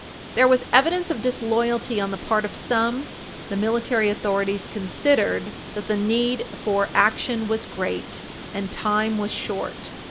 There was evidence of disloyalty on the part of some, the military authorities considered that the need for Page 323 U. S. 224 action was great, and time was short.